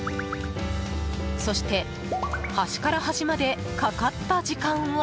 そして端から端までかかった時間は。